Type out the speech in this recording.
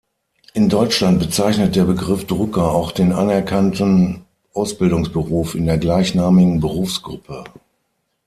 In Deutschland bezeichnet der Begriff Drucker auch den anerkannten Ausbildungsberuf in der gleichnamigen Berufsgruppe.